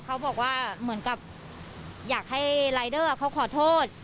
เขาบอกว่าเหมือนกับอยากให้รายเดอร์เขาขอโทษ